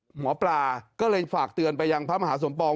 หมอปลาก็เลยฝากเตือนไปยังพระมหาสมปอง